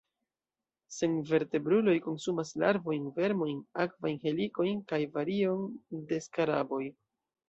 Senvertebruloj konsumas larvojn, vermojn, akvajn helikojn, kaj varion de skaraboj.